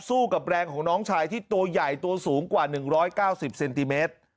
กับแรงของน้องชายที่ตัวใหญ่ตัวสูงกว่า๑๙๐เซนติเมตร